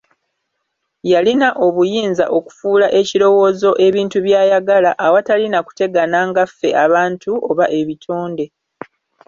Y'alina obuyinza okufuula ekirowoozo ebintu by'ayagala, awatali na kutegana nga ffe abantu oba ebitonde.